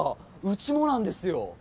うちもなんですよ。